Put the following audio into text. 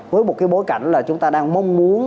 với một cái bối cảnh là chúng ta đang mong muốn